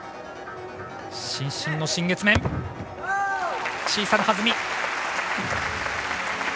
伸身の新月面、小さなはずみ。